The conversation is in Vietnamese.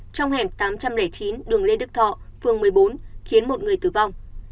trong hẻm tám trăm linh chín đường lê đức thọ phường một mươi bốn khiến một người tử vong